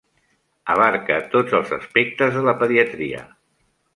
Abarca tots els aspectes de la pediatria.